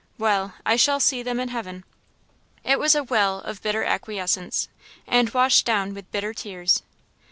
Well! I shall see them in heaven!" It was a "well" of bitter acquiescence, and washed down with bitter tears.